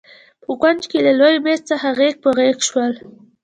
په کونج کې له لوی مېز څخه غېږ په غېږ شول.